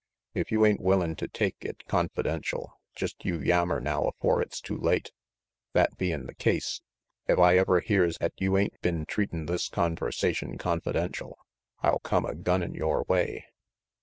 If you ain't willin' to take it confidential, jest you yammer now afore it's too late that bein' the case, if I ever hears 'at you ain't been treatin* this conversation confidential, I'll come a gunnin* yore way.